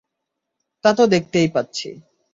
তা তো দেখতেই পাচ্ছি।